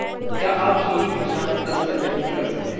क्या आप चीनी भाषा में दस तक गिनती कर सकते हैं?